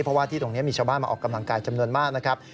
เพราะว่าที่ตรงนี้มีชาวบ้านมาออกกำลังกายจำนวนมากนะครับ